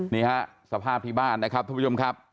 นี่ฮะสภาพที่บ้านนะครับทุกผู้ชมครับ